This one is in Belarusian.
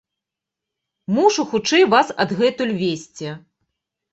Мушу хутчэй вас адгэтуль весці.